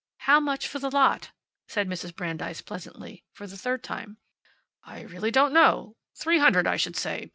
"How much for the lot?" said Mrs. Brandeis, pleasantly, for the third time. "I really don't know. Three hundred, I should say.